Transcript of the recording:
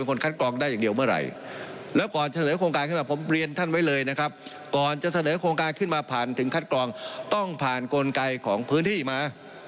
กรณ์ไกรของพื้นที่มา